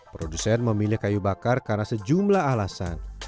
produsen memilih kayu bakar karena sejumlah alasan